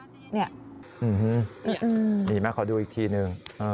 อื้อฮือนี่ไหมขอดูอีกทีหนึ่ง